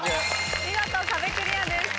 見事壁クリアです。